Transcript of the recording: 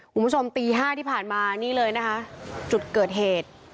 คุณผู้ชมตี๕ที่ผ่านมานี่เลยนะคะจุดเกิดเหตุ